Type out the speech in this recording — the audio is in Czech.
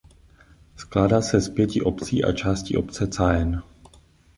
Skládá se z pěti obcí a části obce Caen.